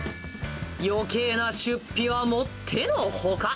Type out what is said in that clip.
余計な出費はもってのほか。